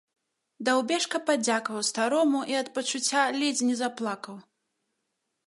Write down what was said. Даўбешка падзякаваў старому і ад пачуцця ледзь не заплакаў.